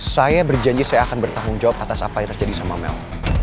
saya berjanji saya akan bertanggung jawab atas apa yang terjadi sama mel